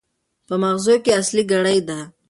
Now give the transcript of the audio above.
په ماغزو کې اصلي ګړۍ ده.